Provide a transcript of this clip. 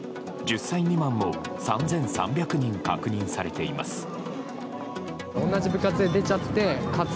１０歳未満も３３００人確認されています。